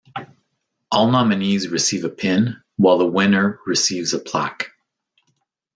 All nominees receive a pin, while the winner receives a plaque.